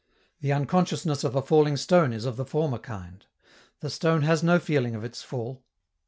The unconsciousness of a falling stone is of the former kind: the stone has no feeling of its fall.